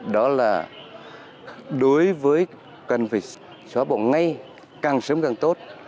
đó là đối với cần phải xóa bỏ ngay càng sớm càng tốt